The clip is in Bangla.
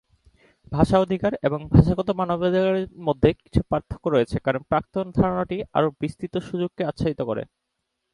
ভাষা অধিকার এবং ভাষাগত মানবাধিকারের মধ্যে কিছু পার্থক্য রয়েছে, কারণ প্রাক্তন ধারণাটি আরও বিস্তৃত সুযোগকে আচ্ছাদিত করে।